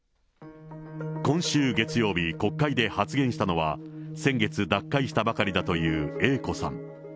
今週月曜日、国会で発言したのは、先月脱会したばかりだというＡ子さん。